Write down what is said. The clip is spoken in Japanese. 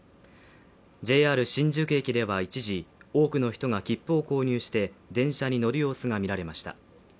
ＪＲ新宿駅では一時、多くの人が切符を購入して電車に乗る様子が見られました。